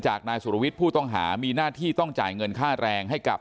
นายสุรวิทย์ผู้ต้องหามีหน้าที่ต้องจ่ายเงินค่าแรงให้กับ